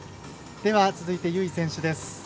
では続いて、由井選手です。